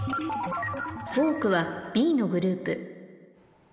「フォークはＢのグループ」